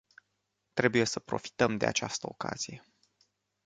Trebuie să profităm de această ocazie.